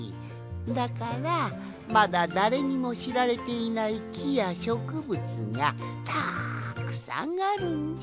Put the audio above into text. だからまだだれにもしられていないきやしょくぶつがたっくさんあるんじゃ。